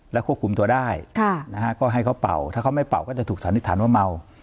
ควบคุมตัวได้ก็ให้เขาเป่าถ้าเขาไม่เป่าก็จะถูกสันนิษฐานว่าเมา